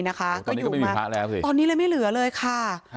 ตอนนี้เลยไม่เหลือเลยค่ะ